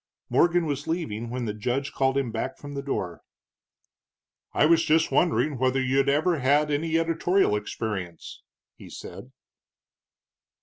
Morgan was leaving when the judge called him back from the door. "I was just wondering whether you'd ever had any editorial experience?" he said.